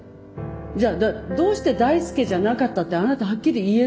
じゃあどうして大輔じゃなかったってあなたはっきり言えるんですか？